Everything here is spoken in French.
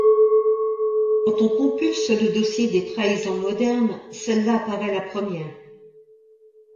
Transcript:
Quand on compulse le dossier des trahisons modernes, celle-là apparaît la première.